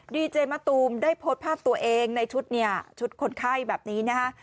ดีเจมะตูมได้โพสต์ภาพตัวเองในชุดเนี่ยชุดคนไข้แบบนี้นะฮะ